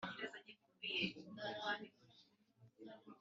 ku muhuza mu bwishingizi bw’abishingizi wigenga. Ingingo ya cumin a karindwi: